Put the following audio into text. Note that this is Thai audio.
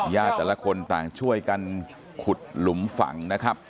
แต่ละคนต่างช่วยกันขุดหลุมฝังนะครับ